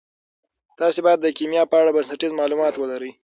تاسي باید د کیمیا په اړه بنسټیز معلومات ولرئ.